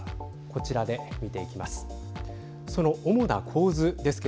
こちらで見ていきます。